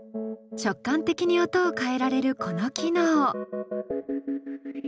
直感的に音を変えられるこの機能。